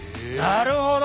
なるほど！